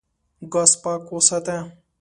ګاز پاک وساته.